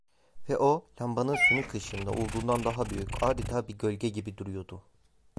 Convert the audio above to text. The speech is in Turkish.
Ve o, lambanın sönük ışığında, olduğundan daha büyük, adeta bir gölge gibi duruyordu.